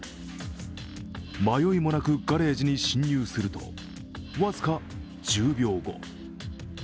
迷いもなくガレージに侵入すると、僅か１０秒後。